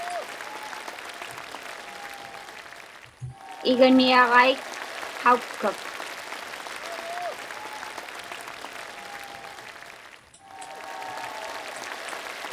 Iganiaġaik qaukkak.